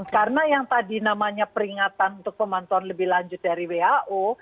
karena yang tadi namanya peringatan untuk pemantauan lebih lanjut dari wao